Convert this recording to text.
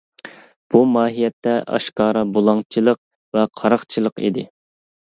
بۇ ماھىيەتتە ئاشكارا بۇلاڭچىلىق ۋە قاراقچىلىق ئىدى.